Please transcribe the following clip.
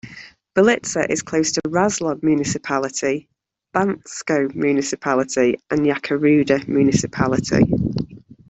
Belitsa is close to Razlog Municipality, Bansko Municipality, and Yakoruda Municipality.